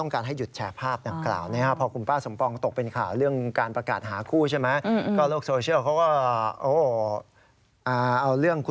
คุณป้าสมปองไปลงเยอะเลย